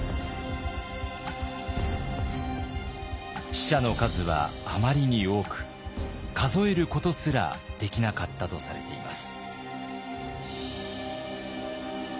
死者の数はあまりに多く数えることすらできなかったとされています。